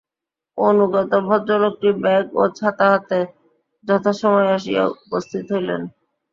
অনুগত ভদ্রলোকটি ব্যাগ ও ছাতা হাতে যথাসময়ে আসিয়া উপস্থিত হইলেন।